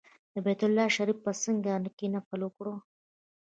د بیت الله شریف په څنګ کې نفل وکړ.